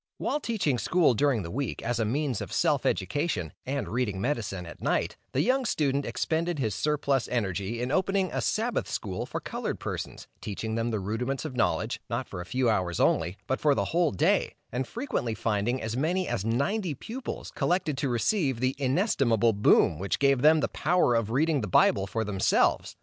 While teaching school during the week, as a means of self education, and reading medicine at night, the young student expended his surplus energy in opening a Sabbath school for colored persons, teaching them the rudiments of knowledge, not for a few hours only, but for the whole day, and frequently finding as many as ninety pupils collected to receive the inestimable boon which gave them the power of reading the Bible for themselves.